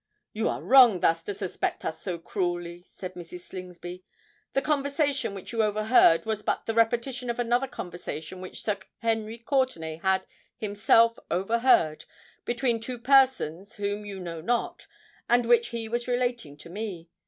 "You are wrong thus to suspect us so cruelly," said Mrs. Slingsby. "The conversation which you overheard was but the repetition of another conversation which Sir Henry Courtenay had himself overheard between two persons whom you know not, and which he was relating to me.